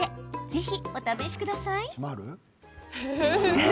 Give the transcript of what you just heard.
ぜひ、お試しください！